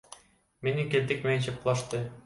Мени келтек менен чапкылашты.